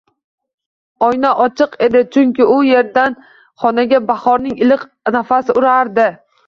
Oyna ochiq edi, chunki u erdan xonaga bahorning iliq nafasi ufurardi